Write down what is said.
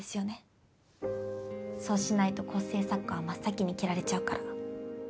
そうしないと構成作家は真っ先に切られちゃうから。